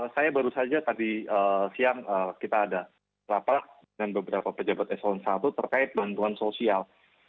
saya baru saja tadi siang kita ada rapat dengan beberapa pejabat eselon i terkait bantuan sosial